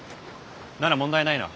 なら問題ないな。